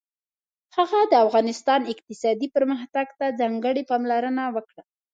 هغه د افغانستان اقتصادي پرمختګ ته ځانګړې پاملرنه وکړه.